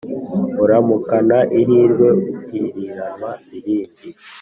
uramukana ihirwe ukiriranwa irindi